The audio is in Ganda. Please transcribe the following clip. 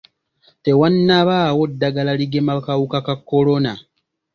Tewannabaawo ddagala ligema kawuka ka kolona